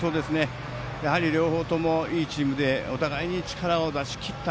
両方とも、いいチームでお互いに力を出しきった